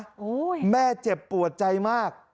โอ้โหแม่เจ็บปวดใจมาก